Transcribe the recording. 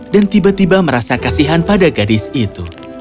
dan tiba tiba merasa kasihan pada gadis itu